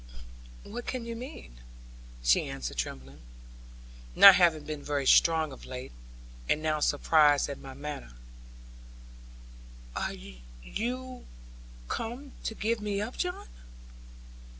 'What can you mean?' she answered trembling, not having been vey strong of late, and now surprised at my manner; 'are you come to give me up, John?'